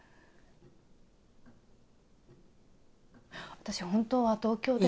私本当は東京で。